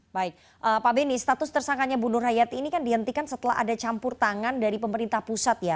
baik pak beni status tersangkanya bu nur hayati ini kan dihentikan setelah ada campur tangan dari pemerintah pusat ya